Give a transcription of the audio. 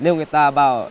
nếu người ta bảo